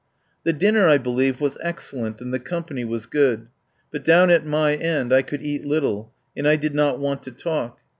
The dinner, I believe, was excellent and the company was good, but down at my end I could eat little, and I did not want to talk.